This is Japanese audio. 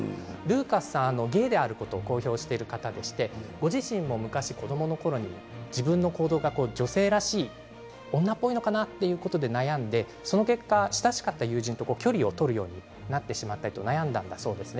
ルーカスさんはゲイであることを公表している方でご自身も昔、子どものころに自分の行動が女性らしい女っぽいのかなということで悩んでその結果、親しかった友人と距離を取ることになってしまったと悩んだそうです。